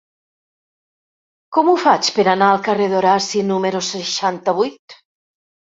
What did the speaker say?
Com ho faig per anar al carrer d'Horaci número seixanta-vuit?